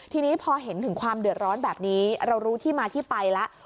ทีนี้พอเห็นถึงความเดือดร้อนแบบนี้เรารู้ที่มาที่ไปแล้ว